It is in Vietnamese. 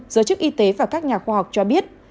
giới chức y tế và các nhà khoa học cho biết